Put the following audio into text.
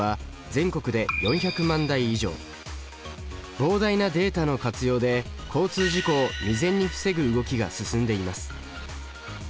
膨大なデータの活用で交通事故を未然に防ぐ動きが進んでいます。